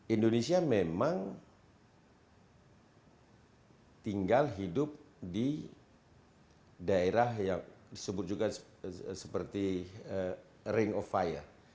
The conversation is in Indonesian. indonesia memang tinggal hidup di daerah yang disebut juga seperti ring of fire